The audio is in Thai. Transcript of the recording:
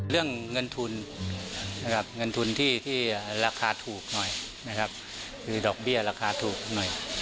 เรื่องเงินทุนที่ราคาถูกหน่อยคือดอกเบี้ยราคาถูกหน่อย